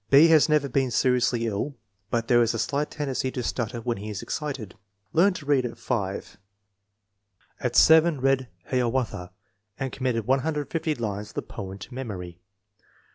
B. has never been seriously ill, but there is a slight tendency to stutter when he is excited. Learned to read at 5. At 7 read Hiawatha and com mitted 150 lines of the poem to memory.